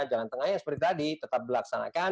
jalan tengahnya seperti tadi tetap dilaksanakan